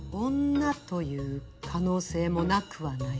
女という可能性もなくはないわね。